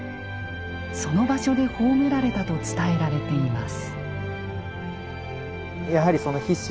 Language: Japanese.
その場所で葬られたと伝えられています。